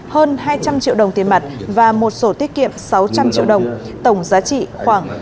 hơn hai trăm linh triệu đồng tiền mặt và một sổ tiết kiệm sáu trăm linh triệu đồng tổng giá trị khoảng ba tỷ đồng